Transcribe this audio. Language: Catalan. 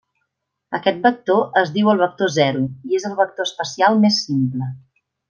Aquest vector es diu el vector zero i és el vector espacial més simple.